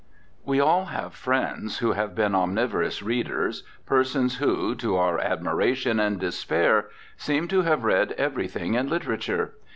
We all have friends who have been omniverous readers, persons who, to our admiration and despair, seem to have read everything in "literature."